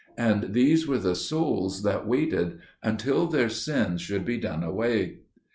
And these were the souls that waited until their sins should be done away.